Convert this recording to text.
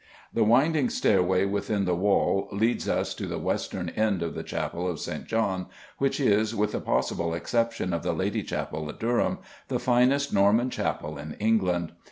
The winding stairway within the wall leads us to the western end of the Chapel of St. John, which is, with the possible exception of the Lady Chapel at Durham, the finest Norman chapel in England.